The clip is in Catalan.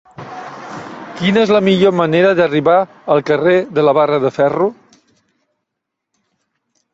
Quina és la millor manera d'arribar al carrer de la Barra de Ferro?